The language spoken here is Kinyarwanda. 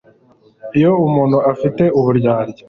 iyo umuntu afite uburyarya